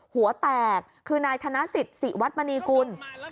หัวแตกคือนายธนสิทธิศิวัตมณีกุล